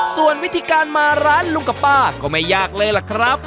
ส่วนวิธีการมาร้านลุงกับป้าก็ไม่ยากเลยล่ะครับ